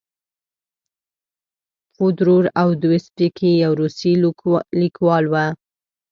فودور اودویفسکي یو روسي لیکوال و.